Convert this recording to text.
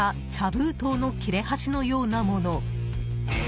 封筒の切れ端のようなもの。